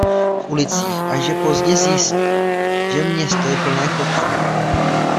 V ulicích až je pozdě zjistí že město je plné chodců.